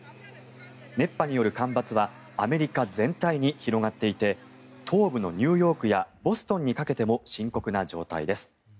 熱波による干ばつはアメリカ全体に広がっていて東部のニューヨークやボストンにかけても深刻な状態です。